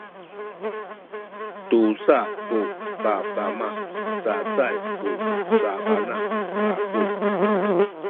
tatusa ku kakama cacay ku sabana aku